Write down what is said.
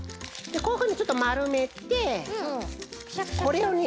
こういうふうにちょっとまるめてこれをね